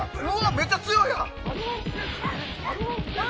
めっちゃ強いやん！